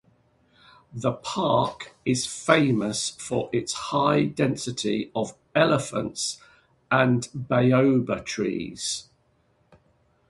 The park is famous for its high density of elephants and baobab trees.